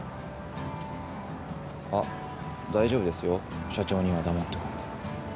あっ大丈夫ですよ社長には黙っとくから。